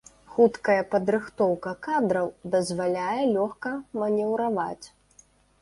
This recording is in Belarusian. Хуткая падрыхтоўка кадраў дазваляе лёгка манеўраваць.